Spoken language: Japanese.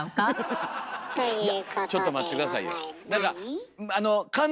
いやちょっと待って下さいよ。